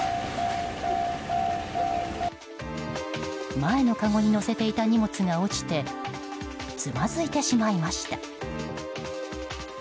前のかごに乗せていた荷物が落ちてつまずいてしまいました。